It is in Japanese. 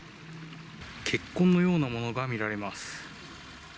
血痕のようなものが見られます。